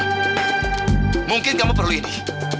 hmm mungkin kamu perlu ini